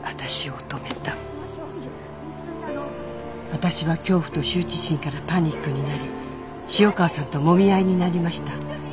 「私は恐怖と羞恥心からパニックになり潮川さんともみ合いになりました」